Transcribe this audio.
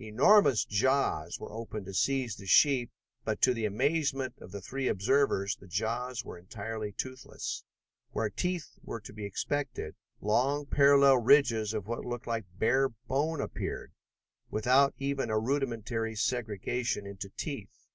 Enormous jaws were opened to seize the sheep but, to the amazement of the three observers, the jaws were entirely toothless. Where teeth were to be expected, long parallel ridges of what looked like bare bone, appeared, without even a rudimentary segregation into teeth.